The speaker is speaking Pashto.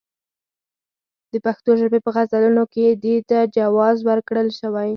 د پښتو ژبې په غزلونو کې دې ته جواز ورکړل شوی.